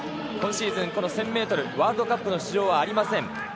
今シーズン、この１０００ｍワールドカップの出場はありません。